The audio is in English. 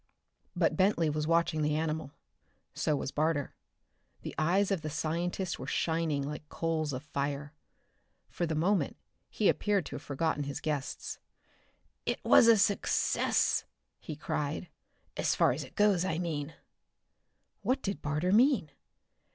But Bentley was watching the animal. So was Barter. The eyes of the scientist were shining like coals of fire. For the moment he appeared to have forgotten his guests. "It is a success!" he cried. "As far as it goes, I mean!" What did Barter mean?